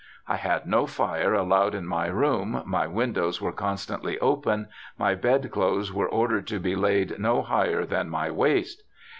' I had no fire allowed in my room, my windows were constantly open, my bed clothes were ordered to be laid no higher than my waist.